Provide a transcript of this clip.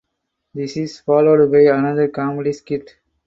This is followed by another comedy skit.